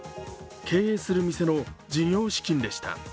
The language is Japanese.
経営する店の事業資金でした。